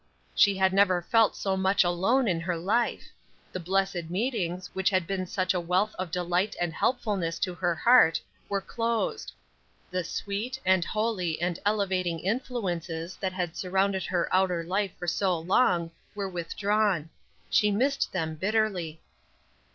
She had never felt so much alone in her life. The blessed meetings, which had been such a wealth of delight and helpfulness to her heart, were closed. The sweet, and holy, and elevating influences that had surrounded her outer life for so long were withdrawn. She missed them bitterly.